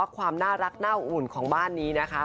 ความน่ารักน่าอุ่นของบ้านนี้นะคะ